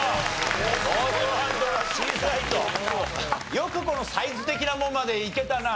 よくこのサイズ的なものまでいけたな。